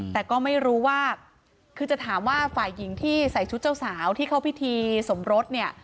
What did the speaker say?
แต่ก็ไม่รู้ว่าคือจะถามว่าฝ่ายหญิงที่ใส่ชุดเจ้าสาวที่เข้าพิธีสมรสเนี่ย